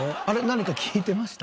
何か聞いてました？